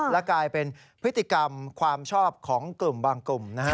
และกลายเป็นพฤติกรรมความชอบของกลุ่มบางกลุ่มนะฮะ